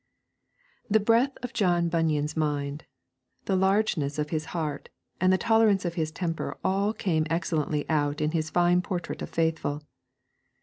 The breadth of John Bunyan's mind, the largeness of his heart, and the tolerance of his temper all come excellently out in his fine portrait of Faithful.